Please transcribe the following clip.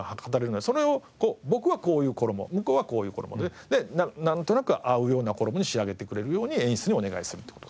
それを僕はこういう衣向こうはこういう衣でなんとなく合うような衣に仕上げてくれるように演出にお願いするって事。